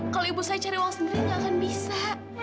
kalau ibu saya cari uang sendiri nggak akan bisa